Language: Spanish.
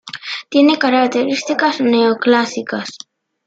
Tiene características neoclásicas.